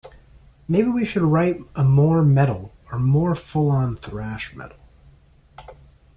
Maybe we should write a more metal or more full-on thrash metal.